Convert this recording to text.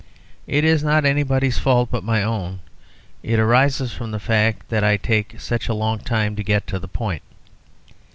It is not anybody's fault but my own; it arises from the fact that I take such a long time to get to the point.